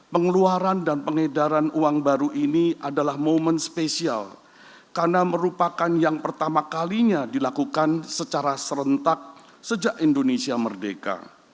pengeluaran dan pengedaran uang baru ini adalah momen spesial karena merupakan yang pertama kalinya dilakukan secara serentak sejak indonesia merdeka